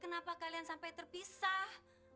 kenapa kalian sampai terpisah